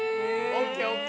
ＯＫＯＫ